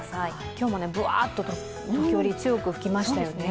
今日もぶわーっと時折強く吹きましたよね。